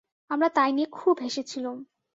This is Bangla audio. আমরা তাই নিয়ে খুব হেসেছিলুম।